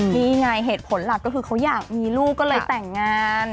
นี่ไงเหตุผลหลักก็คือเขาอยากมีลูกก็เลยแต่งงาน